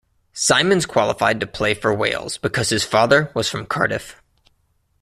Symons qualified to play for Wales because his father was from Cardiff.